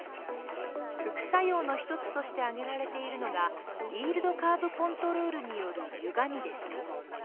副作用の一つとして挙げられているのがイールドカーブ・コントロールによるゆがみです。